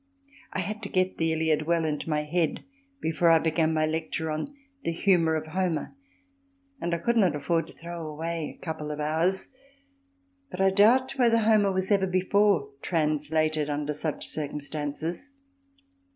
I had to get the Iliad well into my head before I began my lecture on The Humour of Homer and I could not afford to throw away a couple of hours, but I doubt whether Homer was ever before translated under such circumstances.